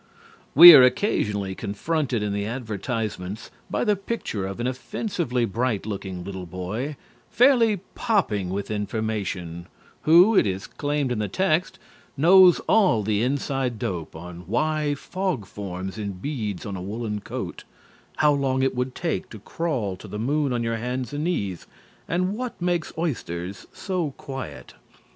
We are occasionally confronted in the advertisements by the picture of an offensively bright looking little boy, fairly popping with information, who, it is claimed in the text, knows all the inside dope on why fog forms in beads on a woolen coat, how long it would take to crawl to the moon on your hands and knees, and what makes oysters so quiet.